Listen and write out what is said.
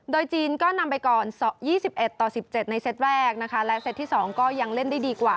โดยจีนก็นำไปก่อน๒๑ต่อ๑๗ในเซตแรกนะคะและเซตที่๒ก็ยังเล่นได้ดีกว่า